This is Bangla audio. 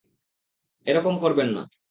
এরকম করবেন না!